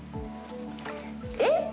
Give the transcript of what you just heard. えっ？